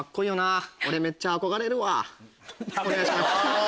お願いします。